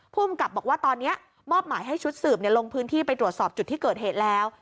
ภูมิกับบอกว่าตอนนี้มอบหมายให้ชุดสืบลงพื้นที่ไปตรวจสอบจุดที่เกิดเหตุแล้ว